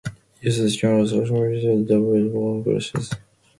Users can also create their own custom brushes and save them for future use.